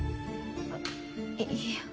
あっいいや。